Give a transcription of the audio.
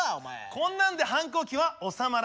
こんなんで反抗期は収まらないんですよね。